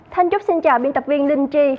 thanh chúc xin chào biên tập viên linh tri